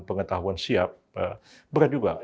pengetahuan siap berat juga